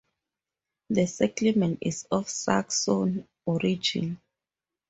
The settlement is of Saxon origin.